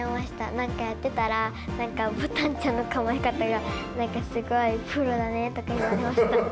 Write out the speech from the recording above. なんかやってたら、なんか、ぼたんちゃんの構え方が、なんかすごいプロだねとか言われました。